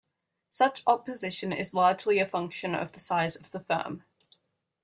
Such opposition is largely a function of the size of the firm.